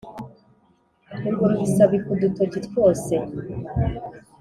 Ingurube isabika udutoki twose!